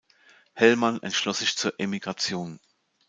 Hellmann entschloss sich zur Emigration.